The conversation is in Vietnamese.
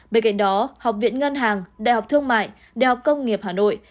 bên cạnh đó học viện ngân hàng đại học thương mại đại học công nghiệp hà nội